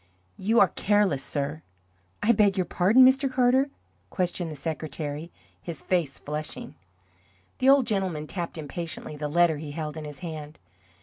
"You are careless, sir!" "I beg your pardon, Mr. Carter?" questioned the secretary, his face flushing. The old gentleman tapped impatiently the letter he held in his hand.